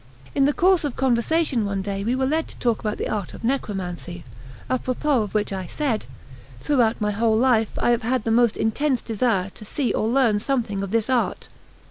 In the course of conversation one day we were led to talk about the art of necromancy; apropos of which I said: "Throughout my whole life I have had the most intense desire to see or learn something of this art."